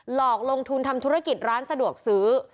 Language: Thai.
หลอกลงทุนทำธุรกิจร้านสะดวกซื้อ